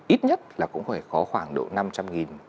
ít nhất là cũng phải có khoảng độ năm trăm linh